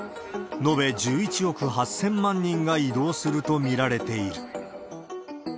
延べ１１億８０００万人が移動すると見られている。